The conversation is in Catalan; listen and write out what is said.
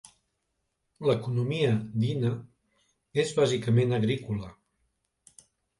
L'economia d'Ina és bàsicament agrícola.